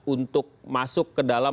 untuk masuk ke dalam